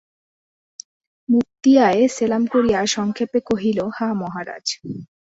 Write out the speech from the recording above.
মুক্তিয়ার সেলাম করিয়া সংক্ষেপে কহিল, হাঁ মহারাজ।